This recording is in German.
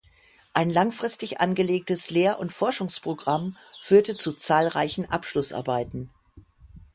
Ein langfristig angelegtes Lehr- und Forschungsprogramm führte zu zahlreichen Abschlussarbeiten.